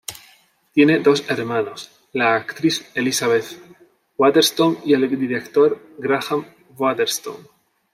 Tiene dos hermanos: la actriz Elisabeth Waterston y el director Graham Waterston.